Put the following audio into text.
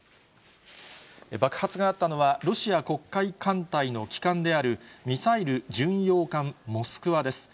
爆発があったのは、ロシア黒海艦隊の旗艦である、ミサイル巡洋艦モスクワです。